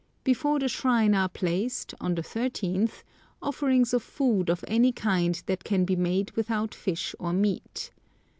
Before the shrine are placed, on the thirteenth, offerings of food of any kind that can be made without fish or meat.